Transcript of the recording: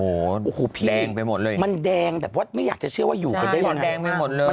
โอ้โหผีแดงไปหมดเลยมันแดงแบบว่าไม่อยากจะเชื่อว่าอยู่กันได้หมดแดงไปหมดเลย